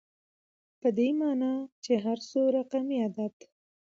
په دې معني چي هر څو رقمي عدد